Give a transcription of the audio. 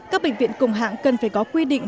các bệnh viện cùng hạng cần phải có quy định